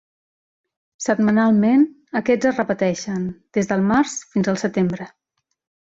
Setmanalment aquests es repeteixen, des del març fins al setembre.